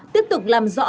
tiếp tục làm rõ